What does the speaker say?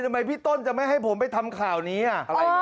พี่ต้นจะไม่ให้ผมไปทำข่าวนี้อ่ะ